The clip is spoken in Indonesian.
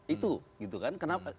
itu gitu kan kenapa